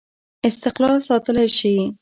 استقلال ساتلای شي.